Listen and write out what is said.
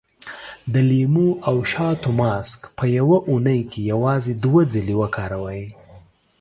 د لیمو او شاتو ماسک په يوه اونۍ کې یوازې دوه ځلې وکاروئ.